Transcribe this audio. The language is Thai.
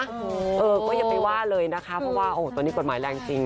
ก็อย่าไปว่าเลยนะคะเพราะว่าตัวนี้กฎหมายแรงจริง